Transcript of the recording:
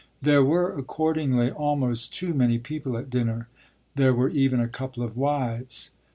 There were accordingly almost too many people at dinner; there were even a couple of wives.